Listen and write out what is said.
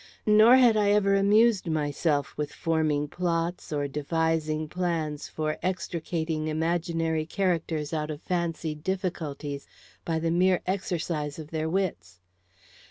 Nor had I ever amused myself with forming plots or devising plans for extricating imaginary characters out of fancied difficulties by the mere exercise of their wits.